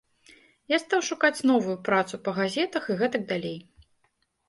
Я стаў шукаць новую працу, па газетах і гэтак далей.